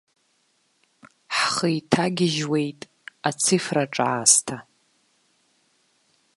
Ҳхы иҭагьежьуеит ацифра ҿаасҭа.